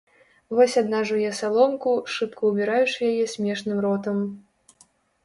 Вось адна жуе саломку, шыбка ўбіраючы яе смешным ротам.